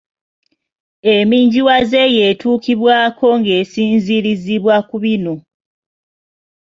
Emminjawaza eyo etuukibwako ng’esinziirizibwa ku bino.